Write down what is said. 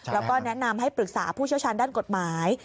แล้วก็แนะนำให้ปรึกษาผู้เชี่ยวชาญด้านกฎหมาย